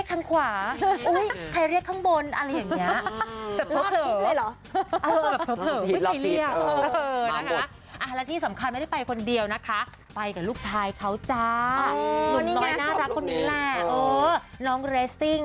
ไม่ใช่ยมจักรแกรแม่นะหอมแขนหอมแขน